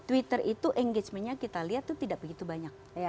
twitter itu engagementnya kita lihat itu tidak begitu banyak